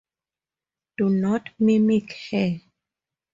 Do not mimic her.